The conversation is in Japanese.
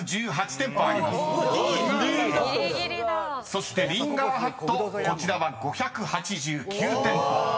［そしてリンガーハットこちらは５８９店舗。